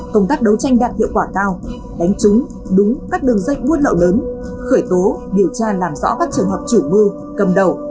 công tác đấu tranh đạt hiệu quả cao đánh trúng đúng các đường dây buôn lậu lớn khởi tố điều tra làm rõ các trường hợp chủ mưu cầm đầu